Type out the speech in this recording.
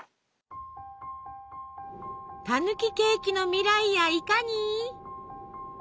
たぬきケーキの未来やいかに！？